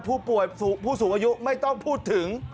ผู้ป่วยผู้สูงอายุไม่ต้องพูดถึง